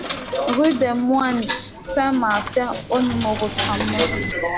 Rue des Moines Saint-Martin au numéro trente-neuf